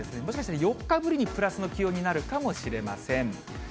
もしかしたら４日ぶりにプラスの気温になるかもしれません。